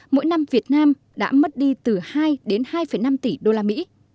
mỗi năm việt nam đã mất đi từ hai đến hai năm tỷ usd